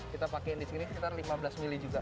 kita pake disini sekitar lima belas ml juga